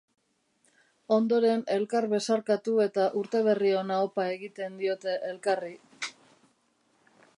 Ondoren elkar besarkatu eta urte berri ona opa egiten diote elkarri.